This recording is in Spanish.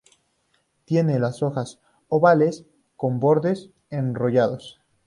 Tiene las hojas ovales con bordes enrollados.